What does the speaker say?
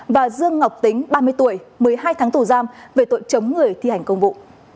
và dương ngọc tính ba mươi tuổi một mươi hai tháng tù giam về tội chống người thi hành công vụ